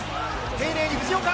丁寧に藤岡